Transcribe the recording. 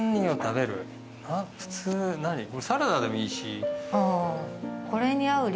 サラダでもいいし。